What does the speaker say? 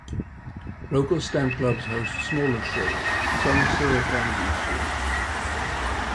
Local stamp clubs host smaller shows, some several times each year.